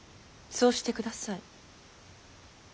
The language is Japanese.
そうしてください。